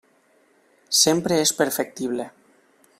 Sempre és perfectible.